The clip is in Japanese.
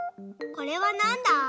これはなんだ？